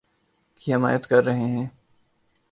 کی حمایت کر رہے ہیں